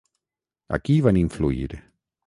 A qui van influir?